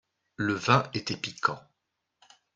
Le vin était piquant.